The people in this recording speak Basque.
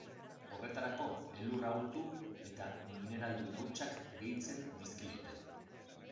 Horretarako, elurra urtu eta mineraldun hautsak gehitzen dizkiote.